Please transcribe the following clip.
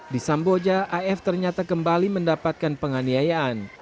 di samboja af ternyata kembali mendapatkan penganiayaan